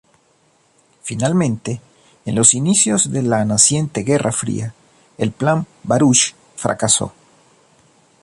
Finalmente, en los inicios de la naciente Guerra Fría, el Plan Baruch fracasó.